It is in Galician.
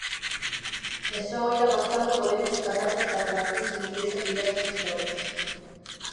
E só ao ir avanzando podemos decatarnos das relacións entre esas diversas historias.